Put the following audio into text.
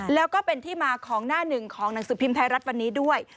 แล้วก็เป็นที่มาของหน้าหนึ่งของหนังสือพิมพ์ไทยรัฐวันนี้ด้วย